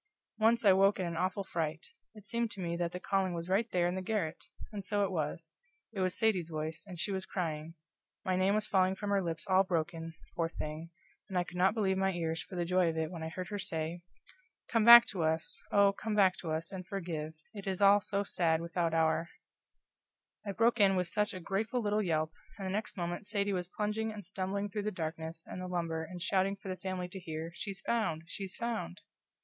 Once I woke in an awful fright it seemed to me that the calling was right there in the garret! And so it was: it was Sadie's voice, and she was crying; my name was falling from her lips all broken, poor thing, and I could not believe my ears for the joy of it when I heard her say: "Come back to us oh, come back to us, and forgive it is all so sad without our " I broke in with SUCH a grateful little yelp, and the next moment Sadie was plunging and stumbling through the darkness and the lumber and shouting for the family to hear, "She's found, she's found!"